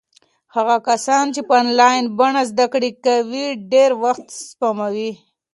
هغه کسان چې په انلاین بڼه زده کړې کوي ډېر وخت سپموي.